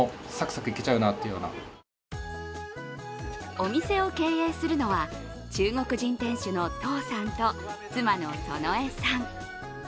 お店を経営するのは中国人店主の湯さんと妻の園栄さん。